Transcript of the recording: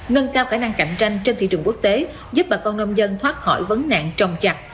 nâng cao khả năng cạnh tranh trên thị trường quốc tế giúp bà con nông dân thoát khỏi vấn nạn trồng chặt